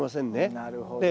なるほど。